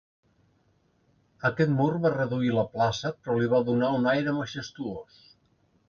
Aquest mur va reduir la plaça però li va donar un aire majestuós.